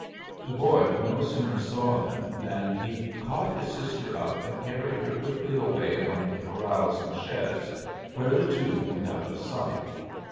The boy no sooner saw them than he caught his sister up and carried her quickly away among the corrals and sheds, where the two went out of sight.